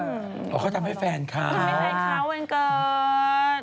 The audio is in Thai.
เขาทำให้แฟนเขาทำให้แฟนเขาวันเกิด